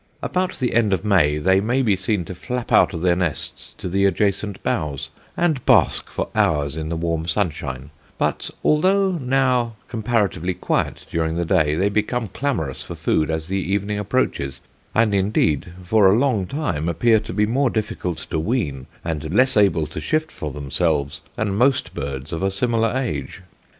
About the end of May they may be seen to flap out of their nests to the adjacent boughs, and bask for hours in the warm sunshine; but although now comparatively quiet during the day, they become clamorous for food as the evening approaches, and indeed for a long time appear to be more difficult to wean, and less able to shift for themselves, than most birds of a similar age.